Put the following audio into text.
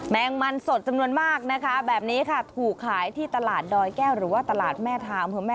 แมงมันสดจำนวนมากนะคะแบบนี้ค่ะถูกขายที่ตลาดดอยแก้วหรือว่าตลาดแม่ทางอำเภอแม่